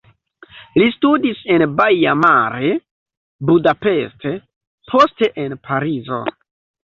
Li studis en Baia Mare, Budapest, poste en Parizo.